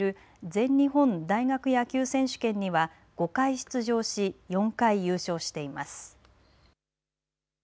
全日本大学野球選手権には５回出場し４回優勝しています。